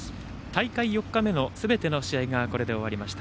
大会４日目のすべての試合がこれで終わりました。